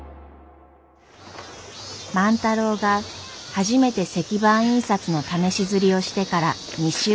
万太郎が初めて石版印刷の試し刷りをしてから２週間。